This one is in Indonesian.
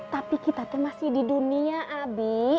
tapi kita tuh masih di dunia abi